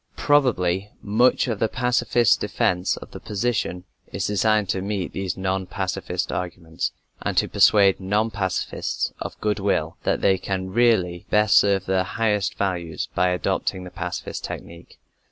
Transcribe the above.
Probably much of the pacifist defense of the position is designed to meet these non pacifist arguments, and to persuade non pacifists of goodwill that they can really best serve their highest values by adopting the pacifist technique.